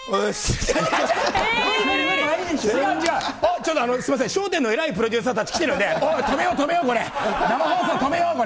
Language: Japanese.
違う、違う、すみません、笑点の偉いプロデューサーたち、来てるんで、止めよう、止めよう、これ。